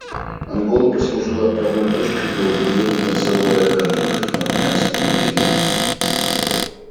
Ангола послужила отправной точкой для урегулирования целого ряда конфликтов на Африканском континенте.